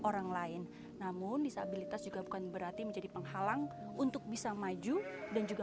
orang lain namun disabilitas juga bukan berarti menjadi penghalang untuk bisa maju dan juga